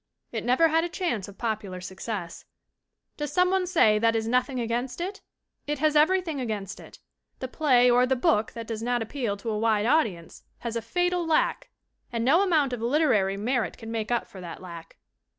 It never had a chance of popular success. Does some one say that is nothing against it? It is everything against it. The play or the book that does not appeal to a wide audience has a fatal lack and no amount of "literary" merit can make up for that lack.